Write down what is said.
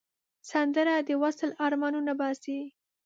سندره د وصل آرمانونه باسي